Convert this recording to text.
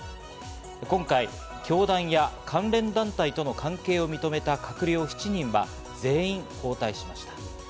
今回、教団や関連団体との関係を認めた閣僚７人は全員交代しました。